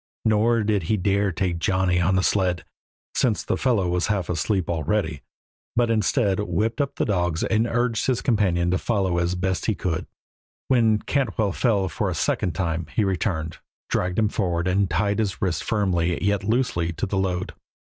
Nor did he dare take Johnny on the sled, since the fellow was half asleep already, but instead whipped up the dogs and urged his companion to follow as best he could. When Cantwell fell, for a second time, he returned, dragged him forward, and tied his wrists firmly, yet loosely, to the load.